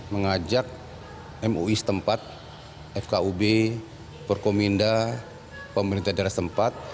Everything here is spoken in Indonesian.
mengajak mui setempat fkub perkominda pemerintah daerah tempat